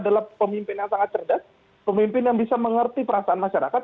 adalah pemimpin yang sangat cerdas pemimpin yang bisa mengerti perasaan masyarakat